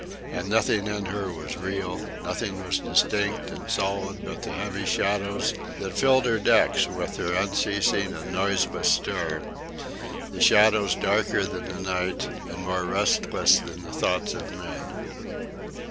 And nothing in her was real, nothing was distinct and solid but the heavy shadows that filled her decks with their unceasing and noiseless stir: the shadows darker than the night and more restless than the thoughts of men.